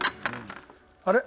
あれ？